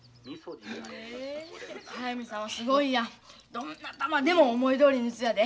どんな球でも思いどおりに打つんやで。